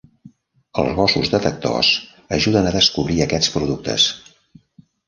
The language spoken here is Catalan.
Els gossos detectors ajuden a descobrir aquests productes.